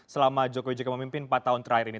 selama jokowi jk memimpin empat tahun terakhir ini